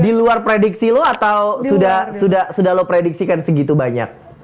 di luar prediksi lo atau sudah lo prediksikan segitu banyak